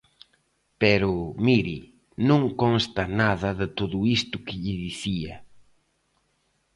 Pero, mire, non consta nada de todo isto que lle dicía.